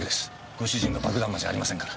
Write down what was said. ご主人が爆弾魔じゃありませんから。